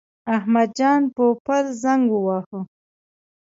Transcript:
احمد جان پوپل زنګ وواهه.